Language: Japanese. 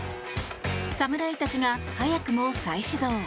侍たちが早くも再始動。